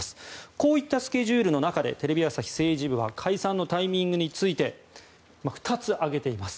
こういったスケジュールの中でテレビ朝日政治部は解散のタイミングについて２つ挙げています。